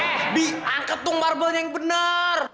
eh bi angkat dong marble nya yang bener